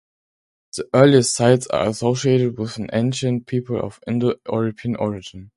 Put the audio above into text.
The earliest sites are associated with an ancient people of Indo-European origin.